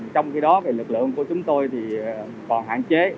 trong khi đó lực lượng của chúng tôi thì còn hạn chế